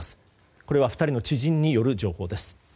これは２人の知人による情報です。